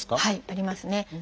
ありますね。